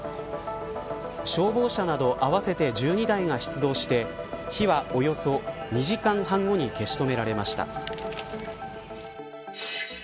消防車など合わせて１２台が出動して火はおよそ２時間半後に消し止められました。